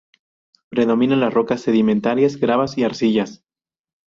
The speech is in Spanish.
Predominan las rocas sedimentarias, gravas y arcillas.